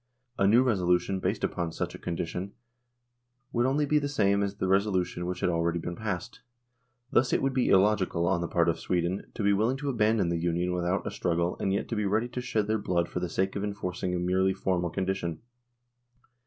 A new resolution based upon such a condition would only be the same as the resolution which had already been passed .... Thus it would be illogical on the part of Sweden to be willing to abandon the Union without a struggle and yet to be ready to shed their blood for the sake of enforcing a merely formal condition."